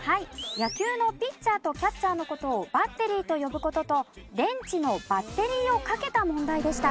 野球のピッチャーとキャッチャーの事をバッテリーと呼ぶ事と電池のバッテリーをかけた問題でした。